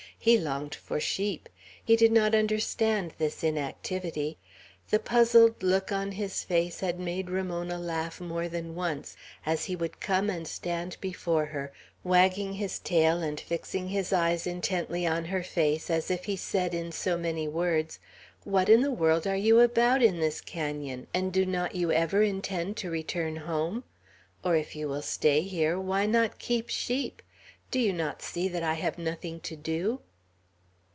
He longed for sheep. He did not understand this inactivity. The puzzled look on his face had made Ramona laugh more than once, as he would come and stand before her, wagging his tail and fixing his eyes intently on her face, as if he said in so many words, "What in the world are you about in this canon, and do not you ever intend to return home? Or if you will stay here, why not keep sheep? Do you not see that I have nothing to do?"